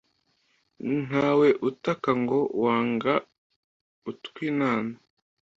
ntawe utaka ngo wange utwinana